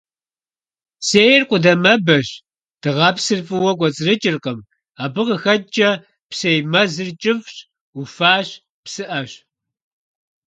Псейр къудамэбэщ, дыгъэпсыр фӀыуэ кӀуэцӀрыкӀыркъым, абы къыхэкӀкӀэ псей мэзыр кӀыфӀщ, уфащ, псыӀэщ.